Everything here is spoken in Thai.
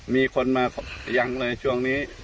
มีคนมายังเลยช่วงนี้